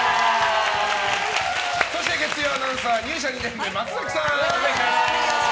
そして月曜アナウンサー入社２年目、松崎さん！